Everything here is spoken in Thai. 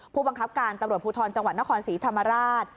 ผู้บังคับการตำรวจภูทรจังหวัดนครศรีธรรมราช